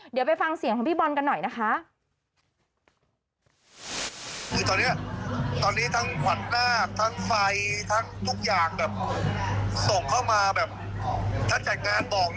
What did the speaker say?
เดี๋ยวไปฟังเสียงของพี่บอลกันหน่อยนะคะ